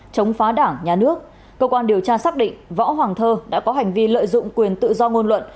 chống phá đảng nhà nước cơ quan điều tra xác định võ hoàng thơ đã có hành vi lợi dụng quyền tự do ngôn luận